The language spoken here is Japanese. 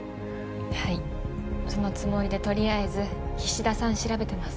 はいそのつもりで取りあえず菱田さん調べてます。